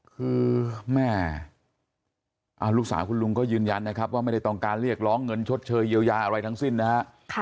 คือแม่ลูกสาวคุณลุงก็ยืนยันนะครับว่าไม่ได้ต้องการเรียกร้องเงินชดเชยเยียวยาอะไรทั้งสิ้นนะฮะ